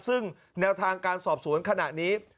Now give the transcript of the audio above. ซึ่งแนวทางการสอบสวนขณะนี้